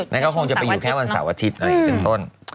แล้วก็คงจะไปอยู่แค่วันเสาร์อาทิตย์